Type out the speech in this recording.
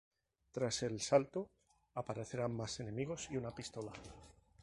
Tras el salto aparecerán más enemigos y una pistola.